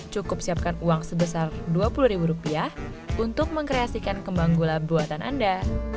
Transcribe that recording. cukup siapkan uang sebesar dua puluh ribu rupiah untuk mengkreasikan kembang gula buatan anda